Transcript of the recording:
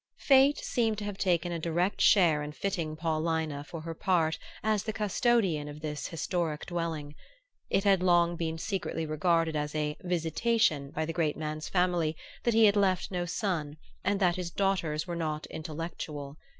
Fate seemed to have taken a direct share in fitting Paulina for her part as the custodian of this historic dwelling. It had long been secretly regarded as a "visitation" by the great man's family that he had left no son and that his daughters were not "intellectual."